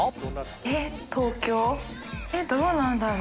複唯稗蓮えっどうなんだろう？